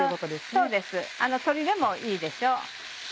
そうです鶏でもいいでしょう。